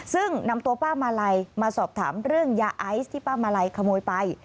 ซึ่งนำตัวป้ามาลัยมาสอบถามเรื่องยาไอซ์ที่ป้ามาลัยขโมยไป